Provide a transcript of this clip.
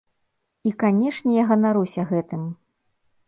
І, канешне, я ганаруся гэтым.